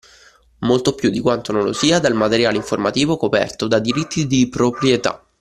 Molto più di quanto non lo sia dal materiale informativo coperto da diritti di proprietà.